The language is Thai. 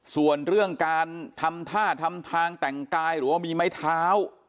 ส่วนเรื่องการทำท่าทำทางแต่งกายหรือว่ามีไม้เท้า